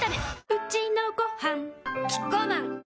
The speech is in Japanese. うちのごはんキッコーマン